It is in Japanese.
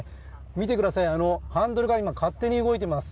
見てください、ハンドルが勝手に動いています。